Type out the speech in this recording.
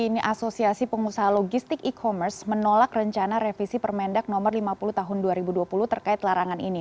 ini asosiasi pengusaha logistik e commerce menolak rencana revisi permendak nomor lima puluh tahun dua ribu dua puluh terkait larangan ini